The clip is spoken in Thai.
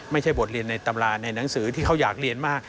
ไม่ใช่บทเรียนในตำราในหนังสือที่เขาอยากเรียนมาก